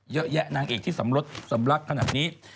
เยอะแยะนางเอกที่สำรับขนาดนี้